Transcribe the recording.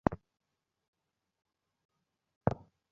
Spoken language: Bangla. মার জীবনের শেষ সময়ে তুমি তাকে কতটুকু সময় দিয়েছো?